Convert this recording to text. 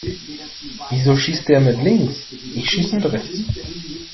Wieso schießt der mit links? Ich schieß mit rechts.